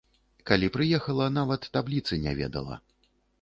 Калі прыехала, нават табліцы не ведала.